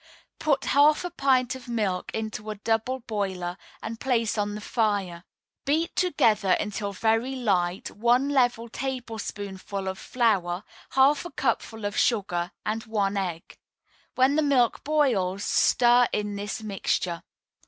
2. Put half a pint of milk into a double boiler, and place on the fire. Beat together until very light one level tablespoonful of flour, half a cupful of sugar, and one egg. When the milk boils, stir in this mixture.